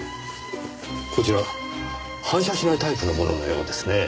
こちら反射しないタイプのもののようですねぇ。